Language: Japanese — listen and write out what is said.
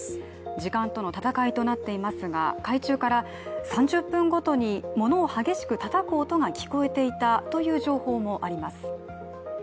時間との闘いとなっていますが、海中から３０分ごとに物を激しくたたく音が聞こえていたという情報もあります。